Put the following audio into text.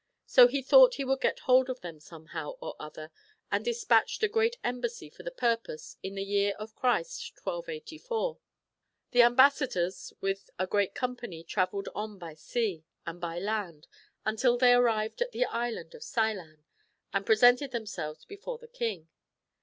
So he thought he would get hold of them somehow or another, and despatched a great embassy for the purpose, in the year of Christ 1284. The ambassadors, with a great company, travelled on by sea and by land until they arrived at the island of Seilan, and presented themselves before the king.